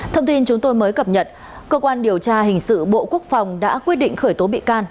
thông tin chúng tôi mới cập nhật cơ quan điều tra hình sự bộ quốc phòng đã quyết định khởi tố bị can